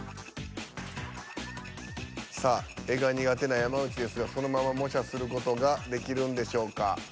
さあ絵が苦手な山内ですがそのまま模写する事ができるんでしょうか。